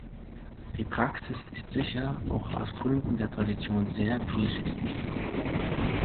Die Praxis ist sicher auch aus Gründen der Tradition sehr vielschichtig.